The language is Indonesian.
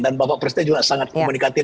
dan bapak presiden juga sangat komunikatif